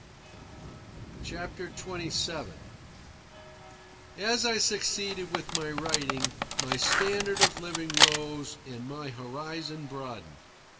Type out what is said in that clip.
CHAPTER XXVII As I succeeded with my writing, my standard of living rose and my horizon broadened.